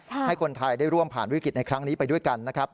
ให้คนไทยได้ร่วมผ่านวิกฤตในครั้งนี้ไปด้วยกันนะครับ